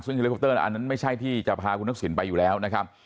ซึ่งเฮลิคอปเตอร์อันนั้นไม่ใช่ที่จะพาคุณทักษิณไปอยู่แล้วนะครับ